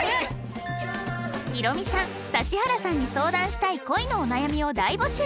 ヒロミさん指原さんに相談したい恋のお悩みを大募集